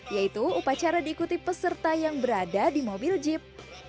yaitu upacara diikuti peserta yang berada di mobil jeep